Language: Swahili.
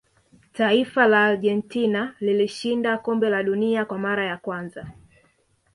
taifa la argentina lilishinda kombe la dunia kwa mara ya kwanza